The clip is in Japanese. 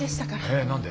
えっ何で？